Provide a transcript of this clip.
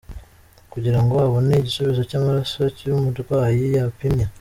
kugira ngo abone igisubizo cy’amaraso y’umurwayi yapimye.